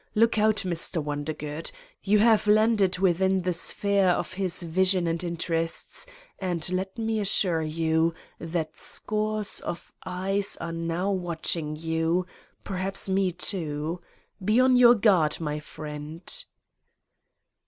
Look out, Mr. Wondergood: You have landed within the sphere of his vision and interests, and, let me as sure you, that scores of eyes are now watching you ... perhaps me, too. Be on your guard, my friend